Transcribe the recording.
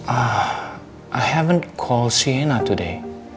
ah aku belum panggil sienna hari ini